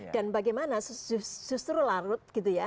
dan bagaimana justru larut